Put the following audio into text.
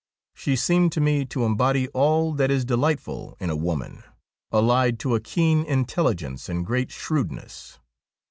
She seemed to me to embody all that is delightful in a woman, allied to a keen intelligence and great shrewdness.